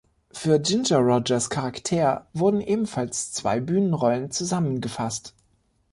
Für Ginger Rogers Charakter wurden ebenfalls zwei Bühnenrollen zusammengefasst.